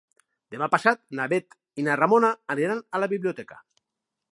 Demà passat na Bet i na Ramona aniran a la biblioteca.